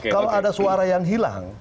kalau ada suara yang hilang